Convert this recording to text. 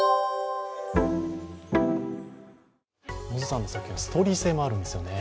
Ｍｏｚｕさんの作品はストーリー性もあるんですよね。